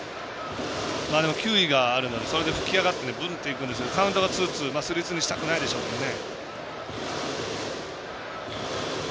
でも球威があるのでそれで浮き上がってブンッていくんですけどスリーツーにしたくないでしょうけどね。